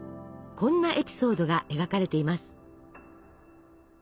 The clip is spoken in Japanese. こんなエピソードが描かれています。